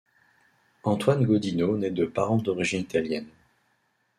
Antoine Gaudino naît de parents d'origine italienne.